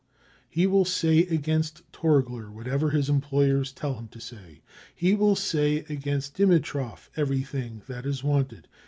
He will say against Torgler whatever his employers tell him to say. He will say against Dimitrov everything that is wanted.